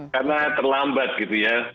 karena terlambat gitu ya